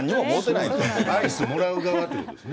アイスもらう側ってことですね。